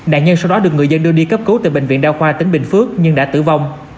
đại nhân sau đó được người dân đưa đi cấp cứu từ bệnh viện đao khoa tỉnh bình phước nhưng đã tử vong